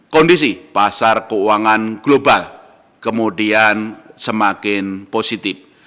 kondisi pasar keuangan global kemudian semakin positif